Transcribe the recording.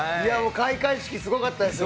開会式すごかったです。